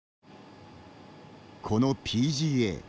このＰＧＡ